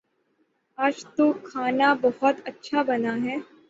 آج تو کھانا بہت اچھا بنا ہے